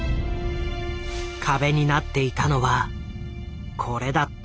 壁になっていたのはこれだった。